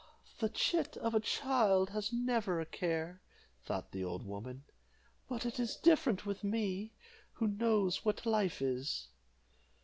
"The chit of a child has never a care," thought the old woman, "but it is different with me, who know what life is."